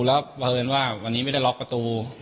แล้วเผยวนว่าวันนี้ไม่ได้ล็อกประตู